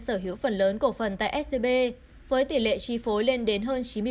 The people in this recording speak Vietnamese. sở hữu phần lớn cổ phân tại scb với tỷ lệ tri phối lên đến hơn chín mươi